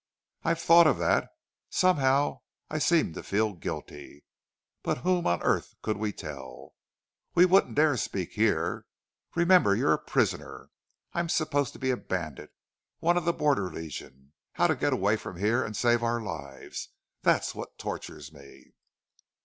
"I've thought of that. Somehow I seem to feel guilty. But whom on earth could we tell? We wouldn't dare speak here.... Remember you're a prisoner. I'm supposed to be a bandit one of the Border Legion. How to get away from here and save our lives that's what tortures me."